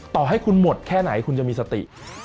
ต่อให้คุณหมดแค่ไหนคุณจะมีสติ